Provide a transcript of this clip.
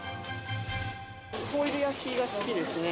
ホイル焼きが好きですね。